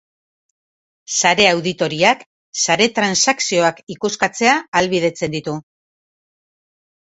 Sare-auditoriak sare-transakzioak ikuskatzea ahalbidetzen ditu.